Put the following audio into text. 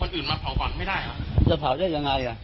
เดี๋ยวจะเผาได้ยังไง